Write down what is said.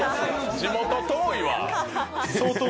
地元遠いわ。